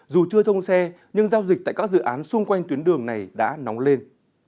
dù chưa thông xe nhưng giao dịch tại các dự án xung quanh tuyến đường này đã nóng lên